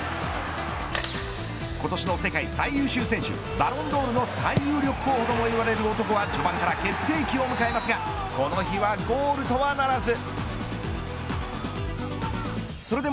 今年の世界最優秀選手バロンドールの最有力候補ともいわれる男は序盤から決定機を迎えますがこの日はゴールとはならず。